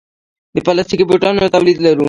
د پلاستیکي بوټانو تولید لرو؟